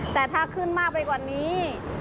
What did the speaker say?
แต่ถ้าขึ้นมากไปกว่านี้